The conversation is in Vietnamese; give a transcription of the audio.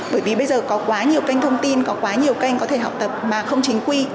bởi vì bây giờ có quá nhiều kênh thông tin có quá nhiều kênh có thể học tập mà không chính quy